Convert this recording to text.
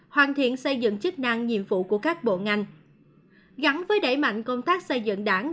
hoàn thiện xây dựng chức năng nhiệm vụ của các bộ ngành gắn với đẩy mạnh công tác xây dựng đảng